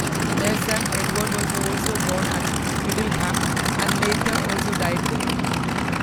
Their son Edward was also born at Middleham and later also died there.